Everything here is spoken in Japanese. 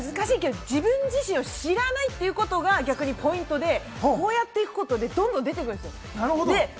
自分自身を知らないというのがポイントで、こうやっていくことでどんどん出てくるんですよ。